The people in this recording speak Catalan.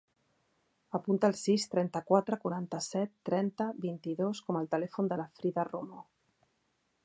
Apunta el sis, trenta-quatre, quaranta-set, trenta, vint-i-dos com a telèfon de la Frida Romo.